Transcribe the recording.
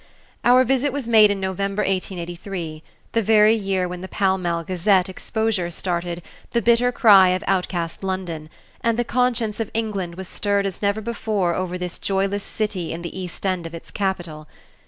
Our visit was made in November, 1883, the very year when the Pall Mall Gazette exposure started "The Bitter Cry of Outcast London," and the conscience of England was stirred as never before over this joyless city in the East End of its capital.